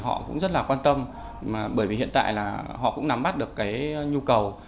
họ cũng rất là quan tâm bởi vì hiện tại là họ cũng nắm bắt được cái nhu cầu